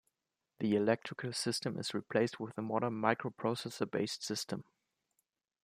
The electrical system is replaced with a modern microprocessor-based system.